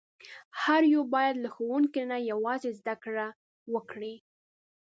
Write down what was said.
هر یو باید له ښوونکي نه یوازې زده کړه وکړي.